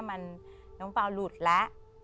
มันน้องฟาร์ว์หลุดแล้ว